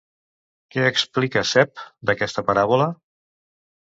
Què explica Sepp d'aquesta paràbola?